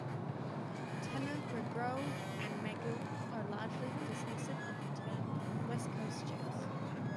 Tanner, Gerow, and Megill are largely dismissive of the term "West Coast jazz".